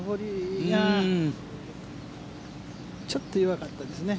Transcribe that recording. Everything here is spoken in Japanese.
ちょっと弱かったですね。